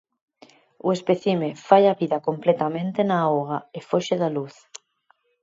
O espécime fai a vida completamente na auga e foxe da luz.